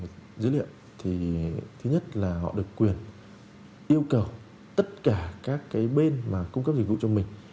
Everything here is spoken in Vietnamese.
cái dữ liệu thì thứ nhất là họ được quyền yêu cầu tất cả các cái bên mà cung cấp dịch vụ cho mình